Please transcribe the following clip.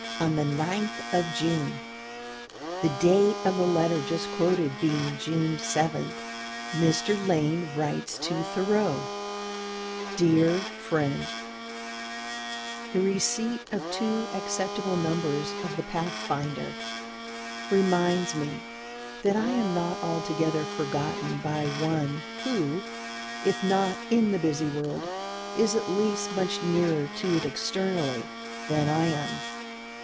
On the 9th of June, the date of the letter just quoted being June 7, Mr. Lane writes to Thoreau: "DEAR FRIEND, The receipt of two acceptable numbers of the 'Pathfinder' reminds me that I am not altogether forgotten by one who, if not in the busy world, is at least much nearer to it externally than I am.